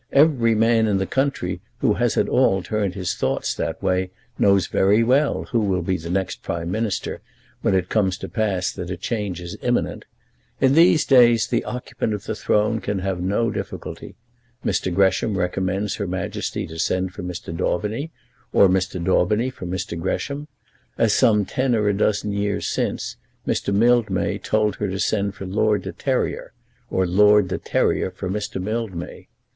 Every man in the country who has at all turned his thoughts that way knows very well who will be the next Prime Minister when it comes to pass that a change is imminent. In these days the occupant of the throne can have no difficulty. Mr. Gresham recommends Her Majesty to send for Mr. Daubeny, or Mr. Daubeny for Mr. Gresham, as some ten or a dozen years since Mr. Mildmay told her to send for Lord de Terrier, or Lord de Terrier for Mr. Mildmay.